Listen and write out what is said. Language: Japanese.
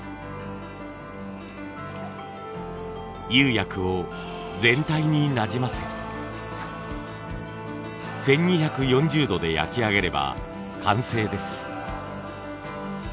釉薬を全体になじませ１，２４０度で焼き上げれば完成です。